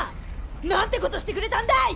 何てことしてくれたんだい！